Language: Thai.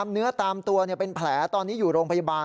เนื้อตามตัวเป็นแผลตอนนี้อยู่โรงพยาบาล